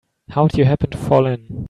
How'd you happen to fall in?